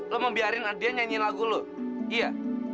lo mau biarin hadrian nyanyiin lagu lo iya